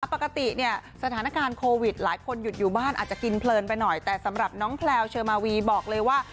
ปกติเนี่ยสถานการณ์โควิดหลายคนหยุดอยู่บ้านอาจจะกินเพลินไปหน่อยแต่สำหรับน้องแพลวเชอร์มาวีบอกเลยว่า